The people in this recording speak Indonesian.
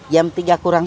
jam tiga kurang sepuluh